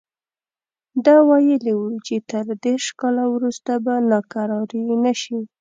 ده ویلي وو چې تر دېرش کاله وروسته به ناکراري نه شي.